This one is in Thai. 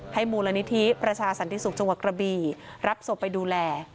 มูลนิธิประชาสันติสุขจังหวัดกระบีรับศพไปดูแล